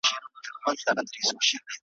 که خدای فارغ کړاست له مُلایانو `